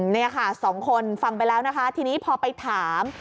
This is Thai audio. นี่ค่ะสองคนฟังไปแล้วนะคะทีนี้พอไปถาม